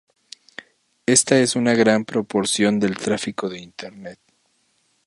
Esta es una gran proporción del tráfico de internet.